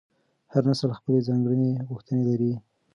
هر نسل خپلې ځانګړې غوښتنې لري.